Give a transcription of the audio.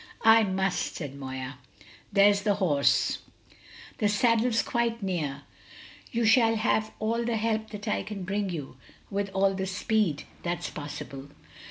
"I must," said Moya. "There's the horse; the saddle's quite near; you shall have all the help that I can bring you, with all the speed that's possible."